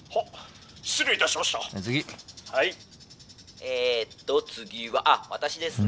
えっと次はあっ私ですね。